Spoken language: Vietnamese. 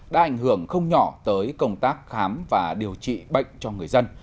đã ảnh hưởng không nhỏ tới công tác khám và điều trị bệnh cho người dân